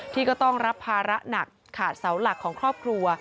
ที่ก็ต้องรับภาระหนักขาดเสาหลักของครอบครัว